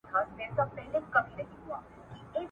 ایا ایراني عسکر به بیا پر کندهار برید وکړي؟